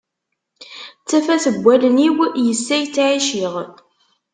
D tafat n wallen-iw, yess ay ttɛiciɣ.